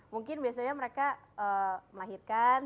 mungkin biasanya mereka melahirkan terus harus resign dari hijab